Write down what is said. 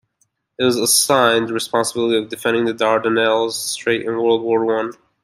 It was assigned the responsibility of defending the Dardanelles straits in World War One.